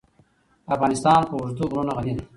افغانستان په اوږده غرونه غني دی.